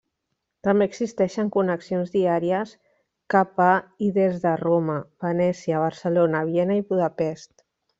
També existeixen connexions diàries cap a i des de Roma, Venècia, Barcelona, Viena i Budapest.